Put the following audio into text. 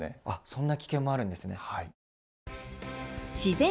あっそんな危険もあるんですね。